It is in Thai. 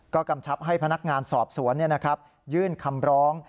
ก็กำชับให้พนักงานสอบสวนยื่นคำร้อง